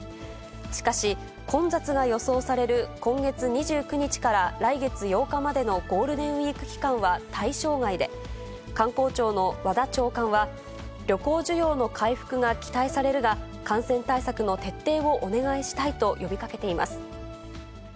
しかし、混雑が予想される、今月２９日から来月８日までのゴールデンウィーク期間は対象外で、観光庁の和田長官は、旅行需要の回復が期待されるが、感染対策の徹底をお願いしたいと呼びかけています。